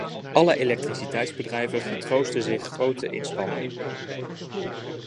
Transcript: Alle elektriciteitsbedrijven getroosten zich grote inspanningen.